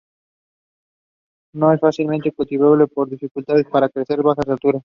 No es fácilmente cultivable por su dificultad para crecer a bajas alturas.